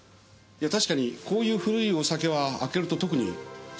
いや確かにこういう古いお酒は開けると特に酸化が進みます。